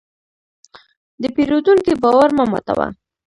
د پیرودونکي باور مه ماتوه.